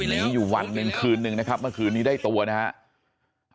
นี่วันคื้นหนึ่งนะครับเมื่อคืนนี้ได้ตัวนะฮะ